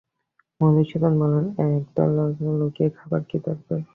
মধুসূদন বললে, এলাচদানা লুকিয়ে খাবার কী দরকার?